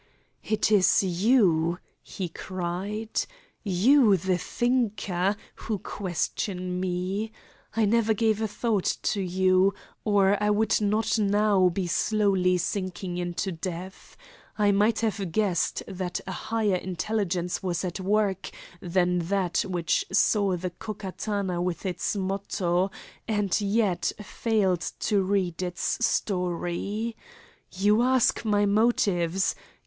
"It is you," he cried, "you, the thinker, who question me. I never gave a thought to you, or I would not now be slowly sinking into death. I might have guessed that a higher intelligence was at work than that which saw the Ko Katana with its motto, and yet failed to read its story. You ask my motives.